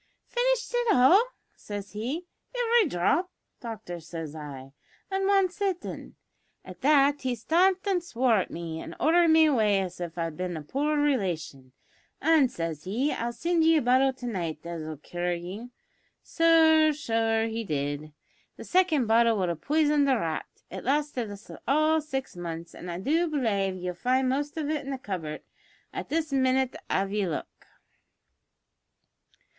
`Finished it all?' says he. `Ivery dhrop, doctor,' says I, `at wan sittin'.' At that he stamped an' swore at me, an' ordered me away as if I'd bin a poor relation; an' says he, `I'll sind ye a bottle to night as'll cure ye!' Sure so he did. The second bottle would have poison'd a rat. It lasted us all six months, an' I do belave ye'll find the most of it in the cupboard at this minnit av ye look."